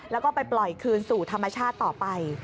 แล้วก็ไปปล่อยคืนสู่ธรรมชาติต่อไป